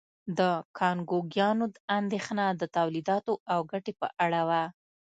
د کانګویانو اندېښنه د تولیداتو او ګټې په اړه وه.